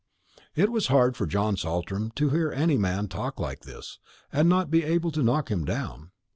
It was hard for John Saltram to hear any man talk like this, and not be able to knock him down.